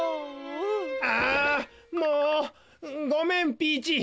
ああもうごめんピーチー。